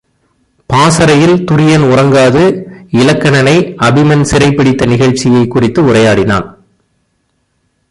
பாசறையில் துரியன் உறங்காது இலக்கணனை அபிமன் சிறைப்பிடித்த நிகழ்ச்சியைக் குறித்து உரையாடினான்.